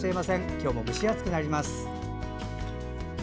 今日も蒸し暑くなります。